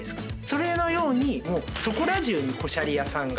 それのように。